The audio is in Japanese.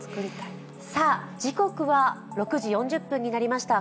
時刻は６時４０分になりました。